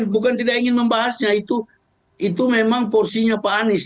bukan tidak ingin membahasnya itu memang porsinya pak anies